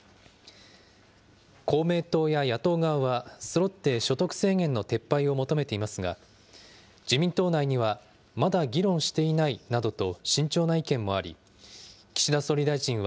公明党や野党側は、そろって所得制限の撤廃を求めていますが、自民党内には、まだ議論していないなどと慎重な意見もあり、岸田総理大臣は、